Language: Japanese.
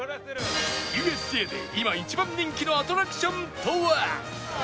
ＵＳＪ で今一番人気のアトラクションとは？